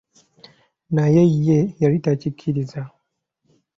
Naye ye yali takikiriza.